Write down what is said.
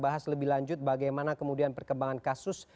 kita akan bahas lebih lanjut bagaimana kemudian perkembangan kasus